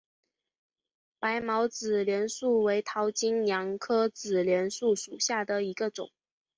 白毛子楝树为桃金娘科子楝树属下的一个种。